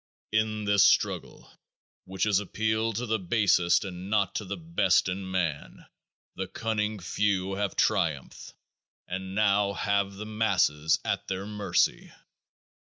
In this struggle which has appealed to the basest and not to the best in man the cunning few have triumphed and now have the masses at their mercy.